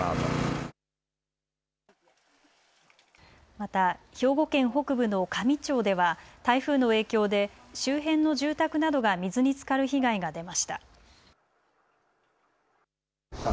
また兵庫県北部の香美町では台風の影響で周辺の住宅などが水につかる被害が出ました。